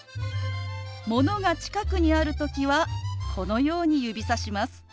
ものが近くにある時はこのように指さします。